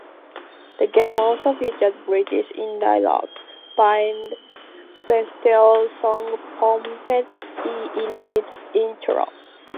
The game also featured British indie rock band Bastille's song "Pompeii" in its intro.